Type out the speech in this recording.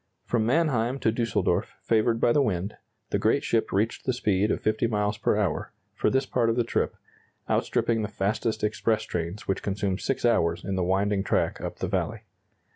From Mannheim to Düsseldorf, favored by the wind, the great ship reached the speed of 50 miles per hour, for this part of the trip, outstripping the fastest express trains which consume 6 hours in the winding track up the valley.